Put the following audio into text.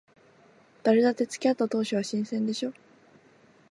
誰だって付き合った当初は新鮮でしょ。